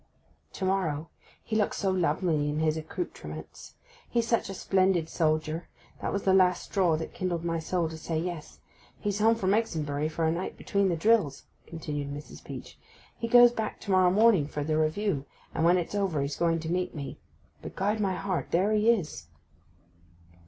'To morrow. He looks so lovely in his accoutrements! He's such a splendid soldier; that was the last straw that kindled my soul to say yes. He's home from Exonbury for a night between the drills,' continued Mrs. Peach. 'He goes back to morrow morning for the Review, and when it's over he's going to meet me. But, guide my heart, there he is!